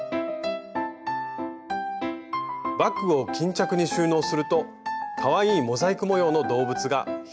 バッグを巾着に収納するとかわいいモザイク模様の動物が引き立ちますよ。